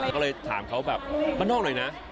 ก็เลยถามเขาแบบบ้านนอกหน่อยนะ